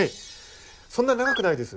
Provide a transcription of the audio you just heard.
そんなに長くないです